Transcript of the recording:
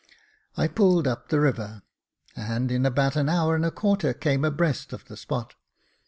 I pulled up the river, and, in about an hour and a quarter, came abreast of the spot.